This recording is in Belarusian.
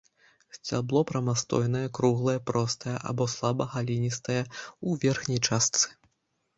Сцябло прамастойнае, круглае, простае або слаба галінастае ў верхняй частцы.